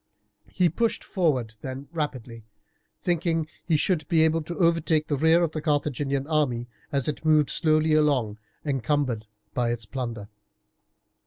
He pushed forward then rapidly, thinking that he should be able to overtake the rear of the Carthaginian army as it moved slowly along encumbered with its plunder.